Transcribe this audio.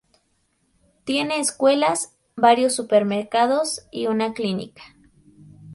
Tiene escuelas, varios supermercados y una clínica.